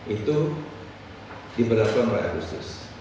itu diberlakukan mulai agustus